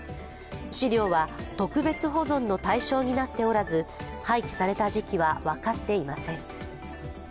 資料は特別保存の対象になっておらず廃棄された時期は分かっていません。